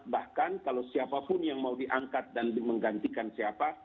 bahkan kalau siapapun yang mau diangkat dan menggantikan siapa